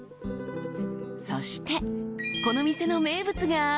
［そしてこの店の名物が］